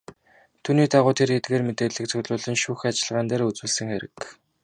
Түүний дагуу тэр эдгээр мэдээллийг цуглуулан шүүх ажиллагаан дээр үзүүлсэн хэрэг.